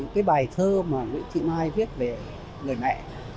cái bài thơ mà nguyễn thị mai viết về người mẹ